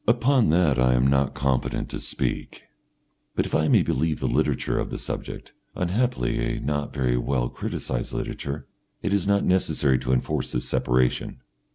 Upon that I am not competent to speak, but if I may believe the literature of the subject unhappily a not very well criticised literature it is not necessary to enforce this separation.